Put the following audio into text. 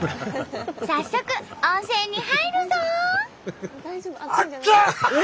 早速温泉に入るぞ！